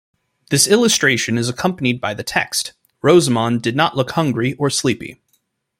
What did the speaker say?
This illustration is accompanied by the text, Rosamond did not look hungry or sleepy.